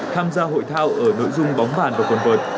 tham gia hội thao ở nội dung bóng bàn và quần vợt